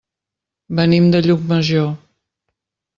Venim de Llucmajor.